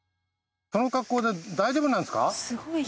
その格好で大丈夫なんですか？